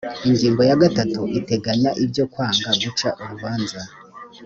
ingingo ya gatatu iteganya ibyo kwanga guca urubanza